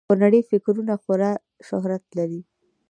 کونړي فکولونه خورا شهرت لري